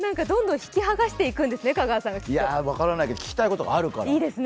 どんどん引き剥がしていくんですね、香川さんが、きっと。分からないけど聞きたいことがあるから。